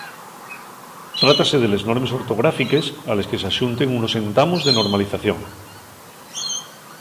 Trátase de les Normes Ortográfiques a les que s'axunten unos entamos de normalización.